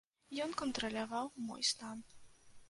Ён кантраляваў мой стан.